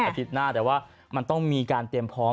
อาทิตย์หน้าแต่ว่ามันต้องมีการเตรียมพร้อม